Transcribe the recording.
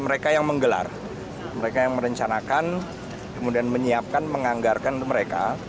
mereka yang menggelar mereka yang merencanakan kemudian menyiapkan menganggarkan mereka